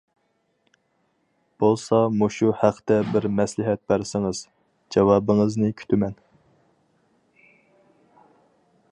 بولسا مۇشۇ ھەقتە بىر مەسلىھەت بەرسىڭىز. جاۋابىڭىزنى كۈتىمەن.